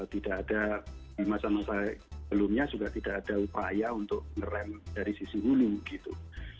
tidak ada di masa masa sebelumnya juga tidak ada upaya untuk ngerem dari sisi hulu gitu